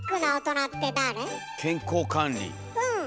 うん。